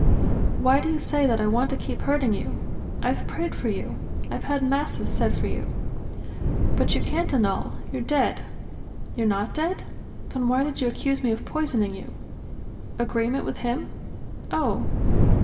"Why do you say that I want to keep hurting you? ... I've prayed for you! I've had Masses said for you! ..." "But you can't annul! You're dead ..." "You're not dead? ... Then why did you accuse me of poisoning you? ..." "Agreement with him? Oh!